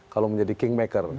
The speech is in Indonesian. kalau menjadi king maker